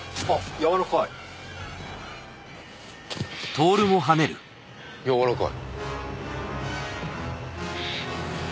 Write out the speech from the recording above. やわらかい。